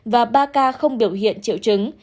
và ba ca không biểu hiện triệu chứng